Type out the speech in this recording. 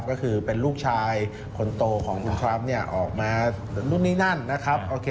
ก็คือเป็นลูกชายคนโตของคุณทรัมป์เนี่ยออกมานู่นนี่นั่นนะครับ